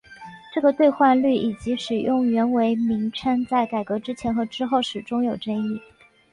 这个兑换率以及使用元为名称在改革之前和之后始终有争议。